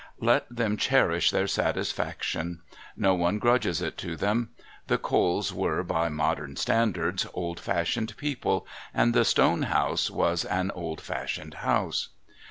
Let them cherish their satisfaction. No one grudges it to them. The Coles were, by modern standards, old fashioned people, and the Stone House was an old fashioned house.